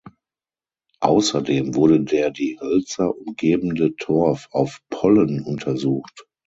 Außerdem wurde der die Hölzer umgebende Torf auf Pollen untersucht.